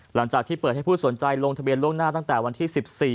หลังจากที่เปิดให้ผู้สนใจลงทะเบียนล่วงหน้าตั้งแต่วันที่๑๔